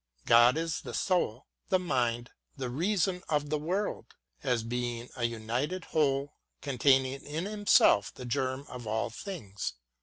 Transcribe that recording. God is the soul, the mind, the reason of the world, as being a united whole containing in Himself the germ of all things.